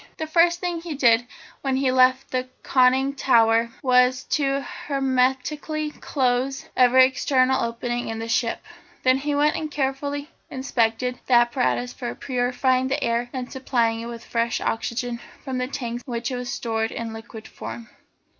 The first thing he did when he left the conning tower was to hermetically close every external opening in the ship. Then he went and carefully inspected the apparatus for purifying the air and supplying it with fresh oxygen from the tanks in which it was stored in liquid form.